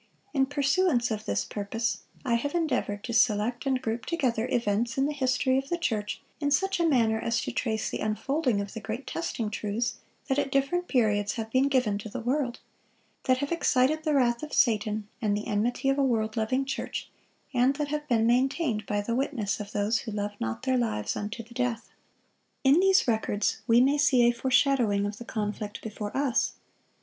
In pursuance of this purpose, I have endeavored to select and group together events in the history of the church in such a manner as to trace the unfolding of the great testing truths that at different periods have been given to the world, that have excited the wrath of Satan, and the enmity of a world loving church, and that have been maintained by the witness of those who "loved not their lives unto the death." In these records we may see a foreshadowing of the conflict before us.